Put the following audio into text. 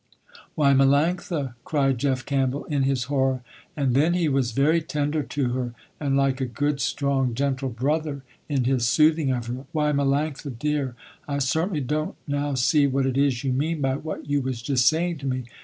"Why, Melanctha," cried Jeff Campbell, in his horror, and then he was very tender to her, and like a good, strong, gentle brother in his soothing of her, "Why Melanctha dear, I certainly don't now see what it is you mean by what you was just saying to me.